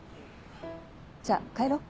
じゃあ帰ろう。